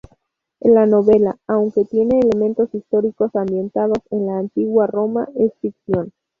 La novela, aunque tiene elementos históricos ambientados en la antigua Roma, es ficción.